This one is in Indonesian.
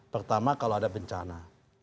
pertama kalau ada bencana